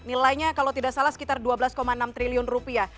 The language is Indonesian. nilainya kalau tidak salah sekitar dua belas enam triliun rupiah